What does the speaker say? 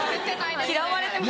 嫌われてます？